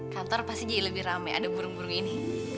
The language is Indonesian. kantor pasti jadi lebih rame ada burung burung ini